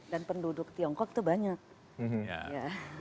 dan penduduk tiongkok itu banyak